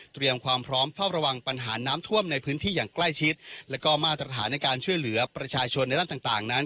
ความพร้อมเฝ้าระวังปัญหาน้ำท่วมในพื้นที่อย่างใกล้ชิดแล้วก็มาตรฐานในการช่วยเหลือประชาชนในด้านต่างต่างนั้น